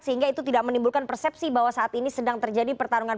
sehingga itu tidak menimbulkan persepsi bahwa saat ini sedang terjadi pertarungan